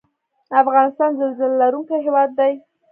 افغانستان زلزله لرونکی هیواد دی